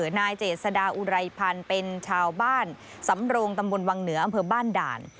นายเจษดาอุไรพันธ์เป็นชาวบ้านสำโรงตำบลวังเหนืออำเภอบ้านด่าน